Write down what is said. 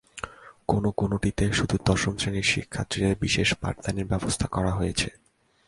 কোনো কোনেটিতে শুধু দশম শ্রেণীর শিক্ষার্থীদের বিশেষ পাঠদানের ব্যবস্থা করা হয়েছে।